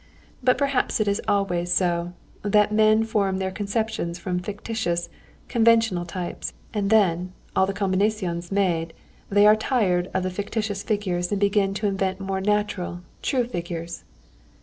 But perhaps it is always so, that men form their conceptions from fictitious, conventional types, and then—all the combinaisons made—they are tired of the fictitious figures and begin to invent more natural, true figures."